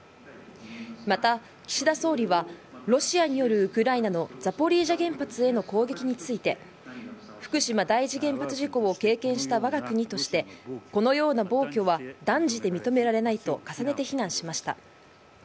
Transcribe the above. また、岸田総理は、ロシアによるウクライナのザポリージャ原発への攻撃について、福島第一原発事故を経験したわが国として、このような暴挙は断じて認められないと、重ねて非難しました。